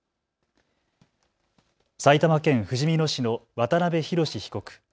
埼玉県ふじみ野市の渡邊宏被告。